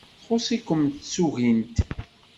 Txuṣṣ-ikem tsugint.